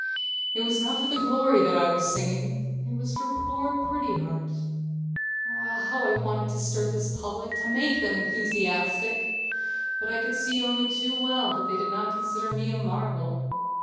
It was not for the glory that I was singing; it was for poor Pretty Heart. Ah, how I wanted to stir this public, to make them enthusiastic.... But I could see only too well that they did not consider me a marvel.